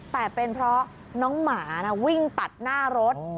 แต่เป็นเพราะน้องหมาวิ่งตัดหน้ารถ